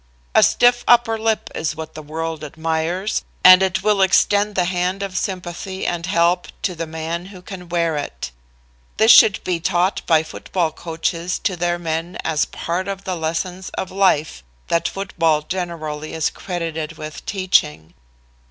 "A stiff upper lip is what the world admires, and it will extend the hand of sympathy and help to the man who can wear it. This should be taught by football coaches to their men as a part of the lessons of life that football generally is credited with teaching.